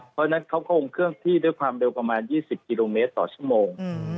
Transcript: เพราะฉะนั้นเขาคงเคลื่อนที่ด้วยความเร็วประมาณ๒๐กิโลเมตรต่อชั่วโมง